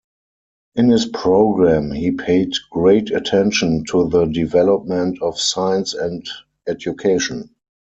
In his program, he paid great attention to the development of science and education.